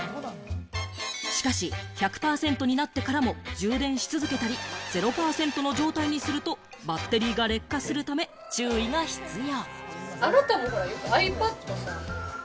しかし、１００％になってからも充電し続けたり、０％の状態にするとバッテリーが劣化するため、注意が必要。